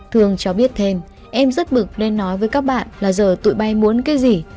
thường cho biết thêm em rất bực nên nói với các bạn là giờ tụi bay muốn cái gì